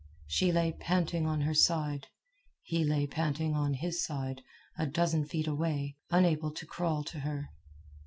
She lay panting on her side. He lay panting on his side, a dozen feet away, unable to crawl to her.